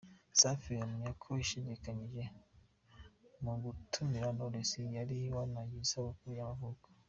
Safi ahamya ko yashidikanyije mu gutumira knowless wari wanagize isabukuru y’amavuko.